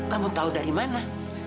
kamu tahu dari mana